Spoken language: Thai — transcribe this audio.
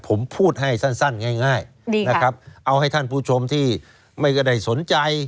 ผมพูดให้สั้นง่ายนะครับเอาให้ท่านผู้ชมที่ไม่ได้สนใจ